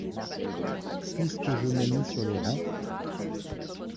Puisque je m’ai mis sur les rangs…